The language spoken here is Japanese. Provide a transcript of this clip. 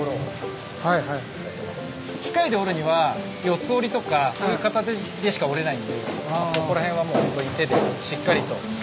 機械で折るには四つ折りとかそういう形でしか折れないんでここら辺はもう本当に手でしっかりと。